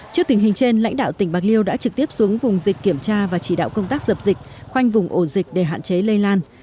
trước tình hình trên lãnh đạo tỉnh bạc liêu đã trực tiếp xuống vùng dịch kiểm tra và chỉ đạo công tác dập dịch khoanh vùng ổ dịch để hạn chế lây lan